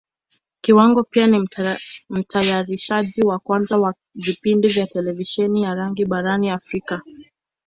Kiwango pia ni Mtayarishaji wa kwanza wa vipindi vya Televisheni ya rangi barani Africa.